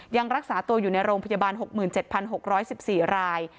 ยังรักษาตัวอยู่ในโรงพยาบาล๖๗๖๑๔ราย